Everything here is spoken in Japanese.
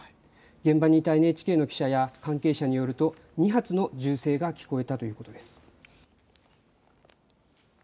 現場にいたＮＨＫの記者や関係者によると２発の銃声が聞こえたということです。